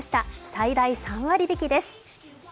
最大３割引きです。